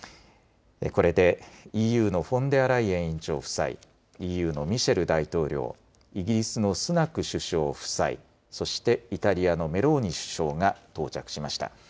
これでＥＵのフォンデアライエン委員長夫妻、ＥＵのミシェル大統領、イギリスのスナク首相夫妻、そしてイタリアのメローニ首相が到着しました。